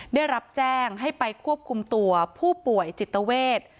ได้รับแจ้งให้ไปควบคุมตัวผู้ป่วยจิตเวท